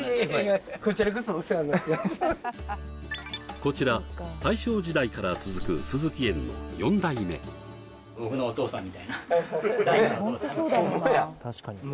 こちら大正時代から続く寿々木園の４代目はい